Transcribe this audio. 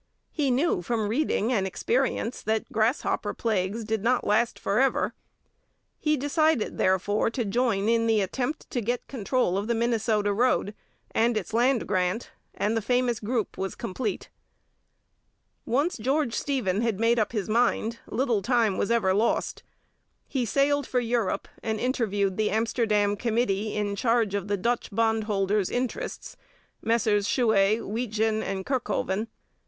He knew from reading and experience that grasshopper plagues did not last for ever. He decided, therefore, to join in the attempt to get control of the Minnesota road and its land grant, and the famous group was complete. Once George Stephen had made up his mind, little time was ever lost. He sailed for Europe and interviewed the Amsterdam committee in charge of the Dutch bondholders' interests, Messrs Chouet, Weetjin and Kirkhoven.